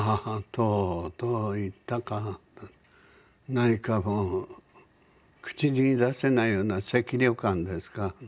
何かもう口に出せないような寂寥感ですか。